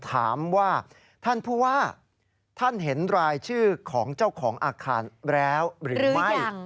ถามว่าท่านผู้ว่าท่านเห็นรายชื่อของเจ้าของอาคารแล้วหรือไม่